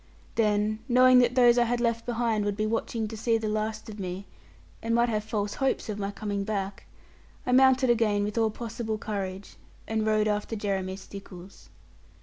Then, knowing that those I had left behind would be watching to see the last of me, and might have false hopes of my coming back, I mounted again with all possible courage, and rode after Jeremy Stickles.